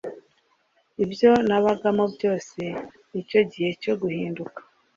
ibyo nabagamo byose nicyo gihe cyo guhinduka